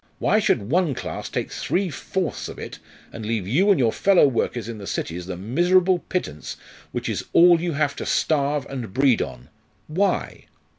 Why should one class take three fourths of it and leave you and your fellow workers in the cities the miserable pittance which is all you have to starve and breed on? Why?